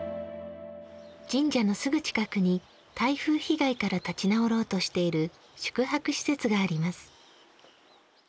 神社のすぐ近くに台風被害から立ち直ろうとしている宿泊施設があります。